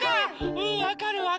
うんわかるわかる。